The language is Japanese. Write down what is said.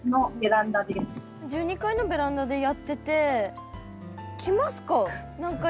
１２階のベランダでやってて来ますか？